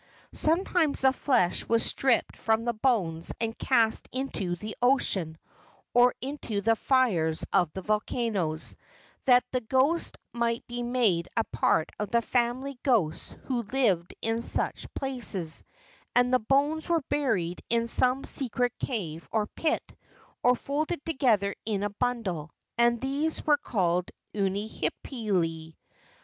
Sometimes the flesh was stripped from the bones and cast into the ocean or into the fires of the volcanoes, that the ghost might be made a part of the family ghosts who lived in such places, and the bones were buried in some secret cave or pit, or folded together in a bundle, and these were called unihipili.